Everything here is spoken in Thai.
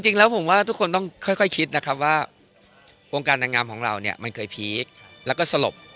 จริงแล้วผมว่าทุกคนต้องค่อยคิดนะครับว่าวงการนางงามของเราเนี่ยมันเคยพีคแล้วก็สลบ